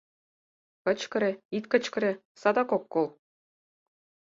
Кычкыре, ит кычкыре — садак ок кол.